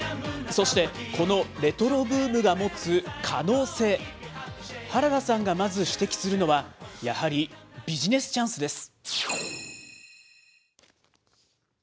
そして、このレトロブームが持つ可能性、原田さんがまず、指摘するのは、やはりビジネスチャンスです。